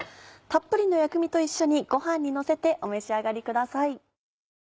たっぷりの薬味と一緒にご飯にのせてお召し上がりください。